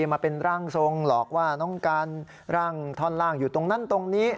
มาเป็นร่างทรงหลอกว่าน้องกันร่างท่อนล่างอยู่ตรงนั้นตรงนี้